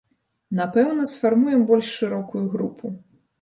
Напэўна, сфармуем больш шырокую групу.